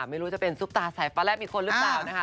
ไม่รู้จะเป็นซุปตาสายปลาแร่มีคนหรือเปล่านะคะ